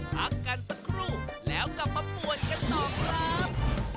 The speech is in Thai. พักกันสักครู่แล้วกลับมาป่วนกันต่อครับ